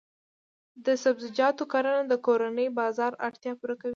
د سبزیجاتو کرنه د کورني بازار اړتیا پوره کوي.